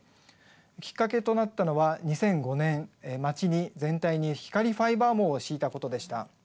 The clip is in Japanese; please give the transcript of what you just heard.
きっかけとなったのは２００５年町全体に光ファイバー網を敷いたことでした。